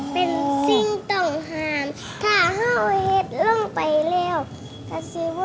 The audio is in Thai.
เป็นสิ่งต้องห้ามถ้าเห่าเห็ดลงไปแล้วก็สิว่า